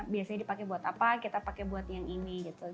biasanya dipakai buat apa kita pakai buat yang ini gitu